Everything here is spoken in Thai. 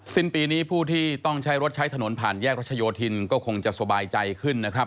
สิ้นปีนี้ผู้ที่ต้องใช้รถใช้ถนนผ่านแยกรัชโยธินก็คงจะสบายใจขึ้นนะครับ